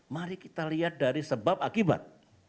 mari kita lihat dari sebab akibat